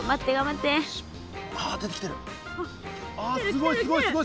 あすごいすごいすごい！